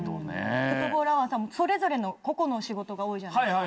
フットボールアワーさんもそれぞれの個々の仕事が多いじゃないですか。